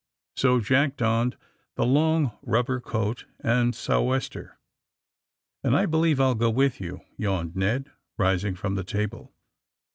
So Jack donned the long rubber coat and the sou'wester. And I believe I'll go with you," yawned Ned, rising from the table.